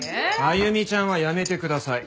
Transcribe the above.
「歩ちゃん」はやめてください。